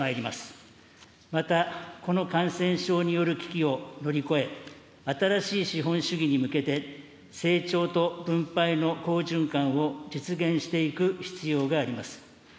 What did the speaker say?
また、この感染症による危機を乗り越え、新しい資本主義に向けて、成長と分配の好循環を実現していく必要があります。